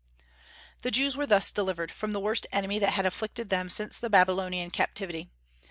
The Jews were thus delivered from the worst enemy that had afflicted them since the Babylonian captivity.